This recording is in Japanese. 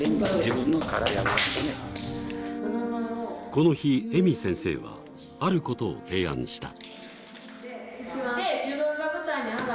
この日、ＥＭＩ先生はあることを提案した。